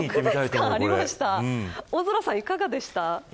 大空さん、いかがでしたか。